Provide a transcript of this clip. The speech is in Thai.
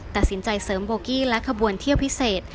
ตัดสินใจเสริมโบกี้และขบวนเที่ยวพิเศษ